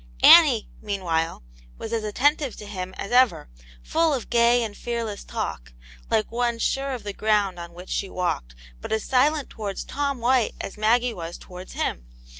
Annie, meanwhile, was as attentive to him as ever, full of gay and fearless talk, like one sure of the ground on which she walked, but as silent towards Tom White as Maggie wa» towards him.